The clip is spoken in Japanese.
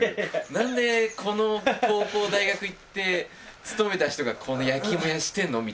なんでこの高校大学行って勤めた人がこの焼き芋屋してるの？みたいな。